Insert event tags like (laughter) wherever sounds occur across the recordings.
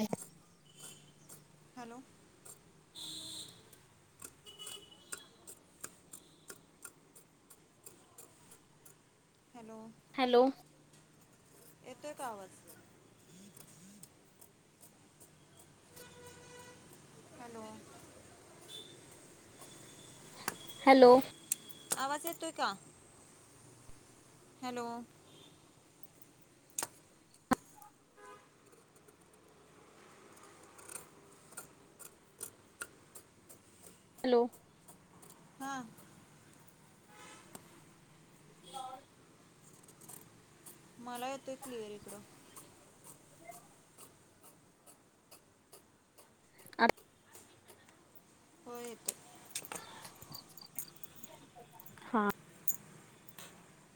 अच hello hello hello येत कावत हॅलो हॅलो आवाज य तोय का हॅलो हॅलो हां मला येतोय क्लिअर इकडं अ हो येतोय हा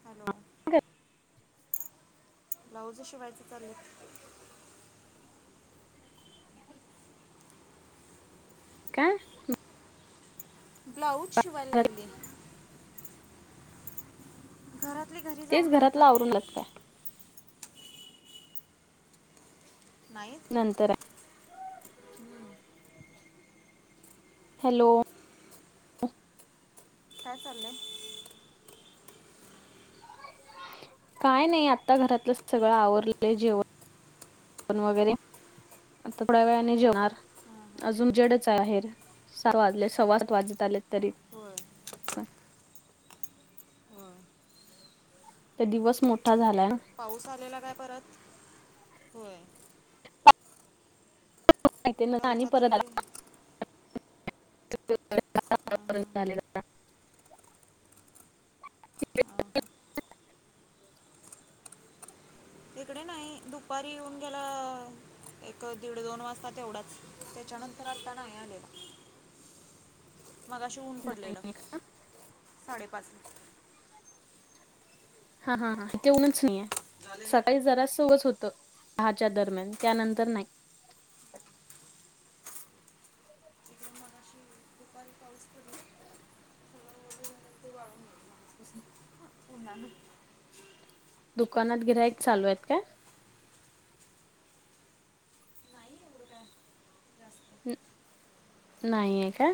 हॅलो ह ब्लाऊज शिवायच चालेत (unintelligible) का ब्लाऊज शिवायल लागते दरात तेच घरातला आवरून लचतय नाहीत नंतर हॅलो काय लय काय नाही, आता घरातलं सगळं आवरलं जेवण वगरे. आता थोड्या वेळाने जेवणार, अजून उजेडच आहे बाहेर सा वाजले सवासात वाजत आले तरी. होय (unintelligible) होय ते दिवस मोठ पाऊस आलेला काय परत? होय, ना आणि कलचा परत तरी हां (inaudible) हां (inaudible) इकडे नाही. दुपारी येऊन गेला, एक दीड दोन वाजता तेवढाच. त्याच्या नंतर आता नाही आलेला. बरमर्म मगाशी ऊन पडलेलं, साडेपाच ला. हा हा हा. इथे ऊनच नाहीये. झाले ना सकाळी जरासच होत, दहाच्या दरम्यान त्यानंतर नाही. इकडे मगाशी दुपारी पाऊस पडला सगळं ओलं झालं, ते वाळून गेलं माणसापासून. उन्हानं दुकानात गिरायक चालू आहेत काय? नाही एवढं काय जास्त न नाहीये का?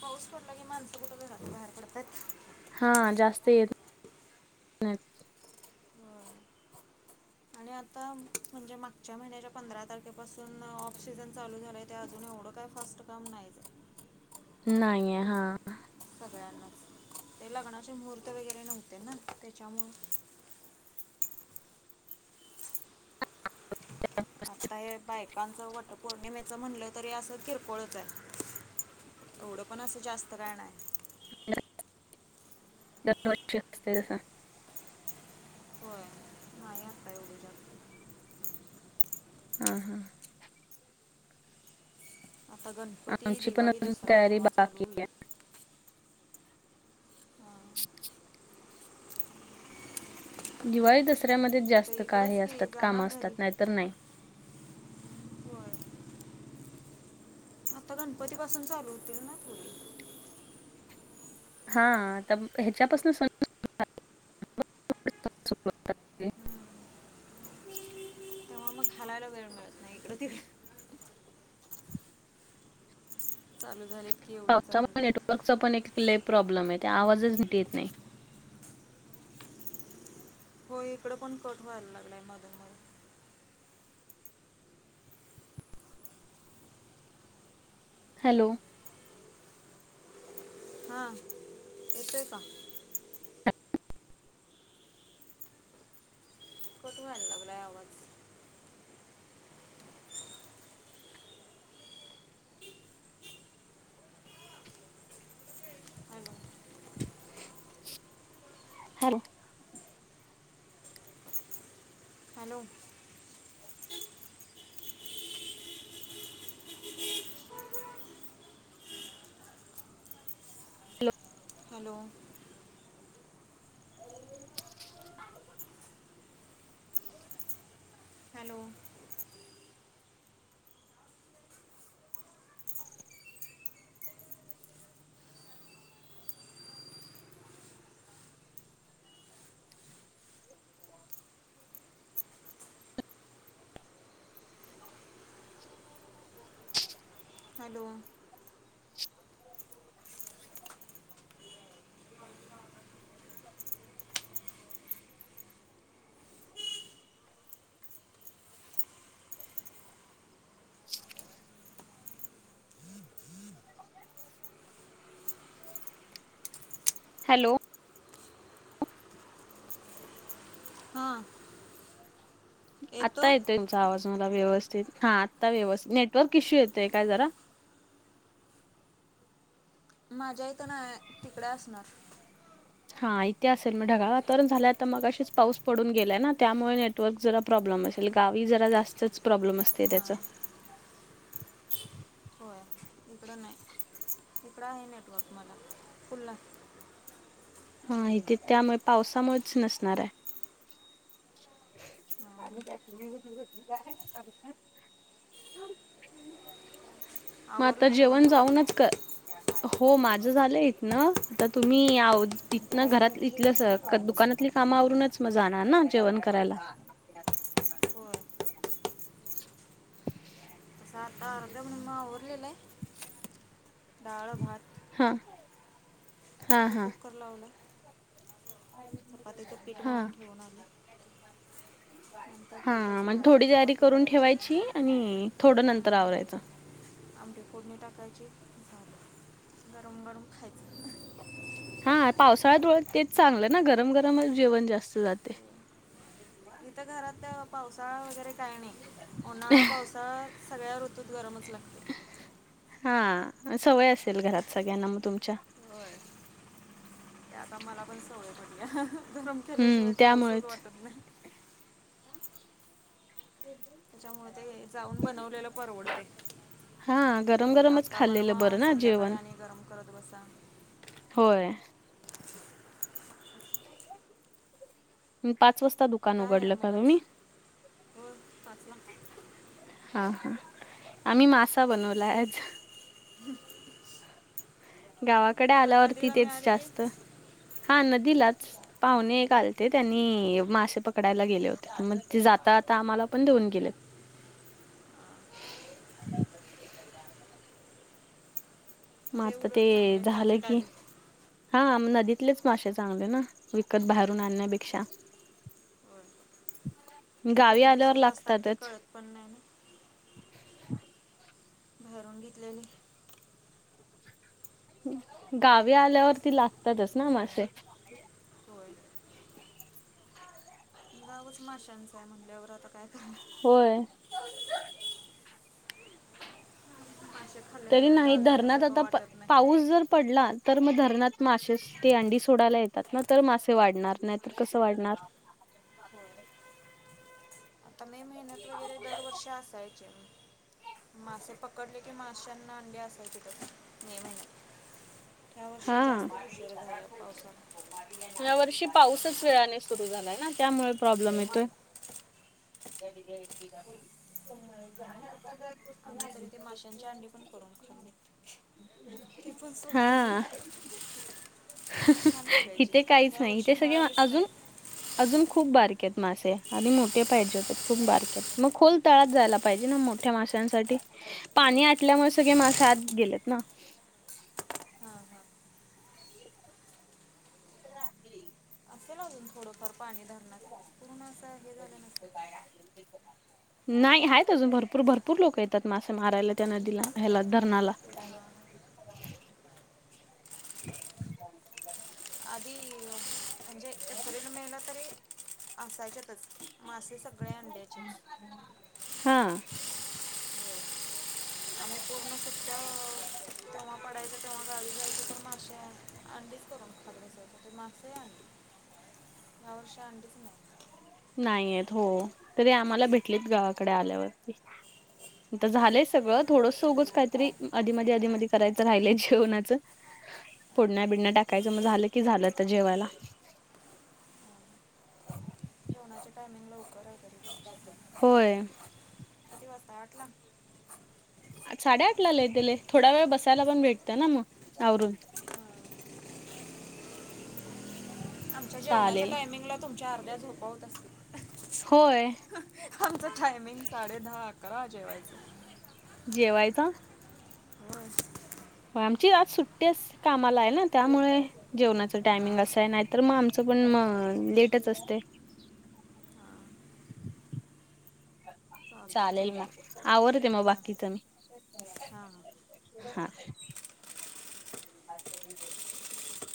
पाऊस पडला की, माणसं कुठं घरातन बाहेर पडतयात? हा जास्त येत नाही. आणि आता म्हणजे मागच्या महिन्याच्या पंधरा तारखेपासून ऑफ सिजन चालू झालंय. ते अजून एवढं काय फास्ट काम नाहीच. नाहीय, हां. सगळ्यांनाच. ते लग्नाचे मुहूर्त वेगरे नव्हते ना, त्याच्यामुळ आता हे बायकांचं वटपौर्णिमेचं म्हणलं तरी असं किरकोळच आहे. एवढं पण असं जास्त काय नाय. दर वर्षी असते तसा. होय नाही आता एवढी जास्त हां हां. आता गणपती, आमची पण दिवाळी, अजून दसरा तयारी तेव्हा चालू बाकी होईल. आहे. हां, (inaudible) दिवाळी दसऱ्यामध्ये कुठे जास्त का इकडंच हे की असतात. काम जाणार घरी असतात नाहीतर नाही. होय आता गणपती पासून चालू होतील ना? थोडी. हा आता ह्याच्यापासन सुरू (inaudible) (unintelligible) तेव्हा मग हलायला वेळ मिळत नाही इकड तिकड. चालू झाले पावसामुळे नेटवर्कचा पण एक लय प्रॉब्लेम आहे ते आवाजच निट येत नाही. हो इकड पण कट व्हायला लागलाय मधून मधून. हॅलो, हा, येतोय का? कट व्हायला लागलाय आवाज. Hello hello, hello, hello, hello, (inaudible) hello, (inaudible) hello, (inaudible) (inaudible) hello हा आत्ता येतोय तूमचा आवाज मला व्यवस्थित हा आता व्यवस्थित नेटवर्क इश्यू येतोय काय जरा माझ्या इथ नाय तिकडे असणार हा इथे असेल मग ढगाळ वातावरण झालय आता मगाशीच पाऊस पडून गेलाय ना त्यामुळे नेटवर्क जरा प्रॉब् असे गावी जरा जास्त प्रॉब्लेम असते त्याच हां अयय इकडे आहे नेटवर्क मला फुल आहे हा इथे त्यामुळे पावसामुळेच नसणार आहे (inaudible) मग आता आवरलं जेवण वगैरे जाऊनच कर हो माझ झालंय ना आता तुम्ही तथ घरात इथ दुका ना कामावरूनच म जाणार ना जेवण करायला होय तसं आता अर्ध्या म्हण म आवरलेलंय डाळ भात हा हा ते हा कुकर लाव ना मळून ठेवून आले नंतर तेवढंच हा भाजी थोडी तयारी चपाती करून करायची ठेवायची आणि थोडं नंतर हम्म, आवरायचं आमटी फोडणी टाकायची झालं गरम गरम खायच हा पावसाळ्यातोळ उलट तेच चांगलं ना गरम गरमच जेवण जास्त जाते (inaudible) इथ घरात पावसाळा वगैरे काय नाही उन्हाळा पावसाळा सगळ्या ऋतू गरमच लाग हा सवय असेल घरात सगळ्यांना मग तुमच्या होय ते आता मला पण सवयत्या गरम हम्म केल्याशिवाय काऊसच त्यामुळेच वाटत नाही त्याच्यामुळे ते जाऊन बनवलेलं परवडते हा गरम ते गरमच आता खाल्लेलं बनवा बरं ना संध्याकाळी जेवण आणि गरम करत बसा होय पाच वाजता दुकान काय आहे उघडलं का मगच तुम्ही आज पाचला हा हा आम्ही मासा बनवला आज (inaudible) गावाकडे कुठं आल्यावर नदीला तिथेच मिळाले की जास्त हा नदीलाच पावणे एक आलते त्यांनी नाही. मासे पकडायला गेले होते आणि जातात आ आम्हाला पण देऊन गेले (inaudible) मग आता ते उलट चांगले झालं ताजे की ताजे हा नदीतलेच मासेे चांगले ना विकत बाहेरून आणण्यापेक्षा (inaudible) होय किती आल्यावर दिवसाचे असतात ते लागतातच कळत पण नाही ना (inaudible) भरून घेतलेले गावी आल्यावरती लागतातच ना मासे होय गावच माशांचं आहे म्हटल्यावर आता काय करणार होय मासे तरी खाल्ल्याशिवाय नाही गावी धरणात आल्यासारखं आता वाटत नाही पाऊस जर पडला तर मग धरणात मासे ते अंडी सोडायला येतात ना तर मासे वाढणार नाही तर कसं वाढणार (inaudible) होय फणस वगैरे दरवर्षी असायचे मासे पकडले की मासे त्यांना अंडी असायचीथ मे महिन्यात हा यावर्षी जास्त उशीर झाला पावसानं या वर्षी पाऊसच वेळाने सुरू झालाय ना त्यामुळे प्रॉब्लेम येतोय (inaudible) आम्ही तरी माशांची अंडी पण करून खाल्ली ते पण सोडली हा न्हवती लागायची इथे काहीच नाही यावर्षी इथे सगळे मिळालीच अजून नाहीत अजून खूप बारक आहेत मासे आणि मोठे पाहिजे होत खूप बारक आहेत मग खोल तळात जायला पाहिजे ना मोठ्या माशांसाठी पाणी होय आटल्यामुळे सगळे मासे हात गेलेत ना (inaudible) हां हां (unintelligible) (unintelligible) असेल अजून थोडंफार पाणी धरण्या पूर्ण असं हे झालं नसेल. ह. नाही आहेत अजून भरपूर भरपूर लोक येतात मासे मारायला त्या नदिला ह्याला धरणाला. (unintelligible) आधी म्हणजे त्या सील मेला तरी असायच्यातच. मासे सगळे अंड्याचेच. हा होय आम्ही पूर्ण सुट्ट्या तेव्हा पडायच तेव्हा गावी जायचं तेव्हा अश्या अंडी. (unintelligible) े मस या वर्ष आ त नाही. नाही येत हो तरी आम्हाला भेटलीत गावाकडे आल्यावरती. झालंय सगळं थोडंस उगंच काहीतरी आधी मधी आधी मध करायचं राहिलंय जेवणाचं. पुडण्या बिडण्या टाकायचं मग झालं कि झालं तर जेवायला. फोणाच्या टायमिंग लवकर आलय. होय. ता वाटला. साडे आठ ला लतेले थोडा वेळ बसायला पण भेटत ना मग आवरून. आमच्या जेवणाच्या चालेल टायमिंगला तुमच्या अर्ध्या झोपा होत होय आमच टायमिंग साडे दहा अकरा जेवायच. जेवायचा. हो होय आमची आज सुट्टी कामाला आहे ना त्यामुळे जेवणाच हां टायमिंग हां असं आहे नाही तर मग आमचं पण मग. हा लेटच असते. हां चालते चालेल चालते मग आवरते मग हां बाकीच मी. हां हां हा (unintelligible)